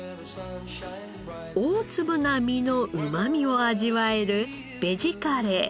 大粒な実のうまみを味わえるベジカレー。